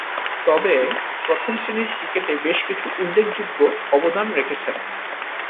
তবে, প্রথম-শ্রেণীর ক্রিকেটে বেশকিছু উল্লেখযোগ্য অবদান রেখেছেন।